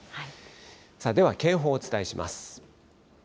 では警報をお伝えします。